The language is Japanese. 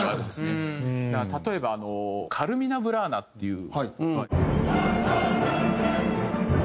だから例えば『カルミナ・ブラーナ』っていう。